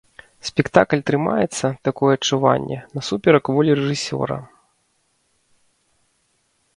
Спектакль трымаецца, такое адчуванне, насуперак волі рэжысёра.